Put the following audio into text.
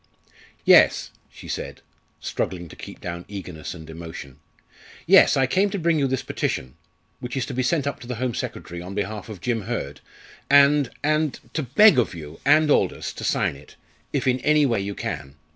"Yes," she said, struggling to keep down eagerness and emotion. "Yes, I came to bring you this petition, which is to be sent up to the Home Secretary on behalf of Jim Hurd, and and to beg of you and Aldous to sign it, if in any way you can.